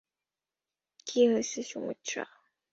কী হয়েছে, সুমিত্রা?